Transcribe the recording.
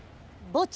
墓地？